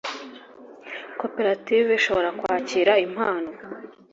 koperative ishobora kwakira impano